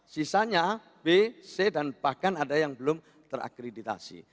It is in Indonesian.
sisanya b c dan bahkan ada yang belum terakreditasi